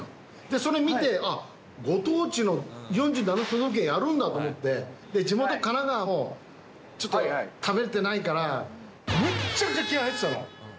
それ見て、ご当地の４７都道府県、やるんだと思って、地元、神奈川のちょっと、食べてないから、むっちゃくちゃ気合入ってたの。